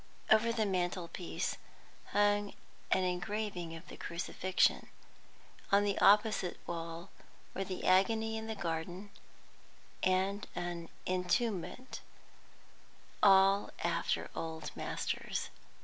Over the mantelpiece hung an engraving of the Crucifixion; on the opposite wall were the Agony in the Garden, and an Entombment; all after old masters.